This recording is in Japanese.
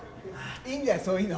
いいんだよ、そういうの。